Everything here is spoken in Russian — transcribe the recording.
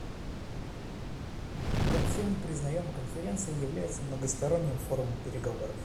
Как все мы признаем, Конференция является многосторонним форумом переговоров.